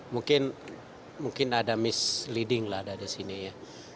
mungkin mungkin ada misleading lah ada di sini ya